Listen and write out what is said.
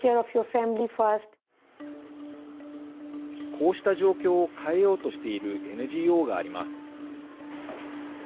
こうした状況を変えようとしているＮＧＯがあります。